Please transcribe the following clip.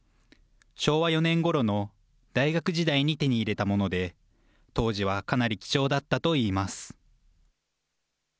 昭和４年ごろの大学時代に手に入れたもので当時はかなり貴重だったといいます。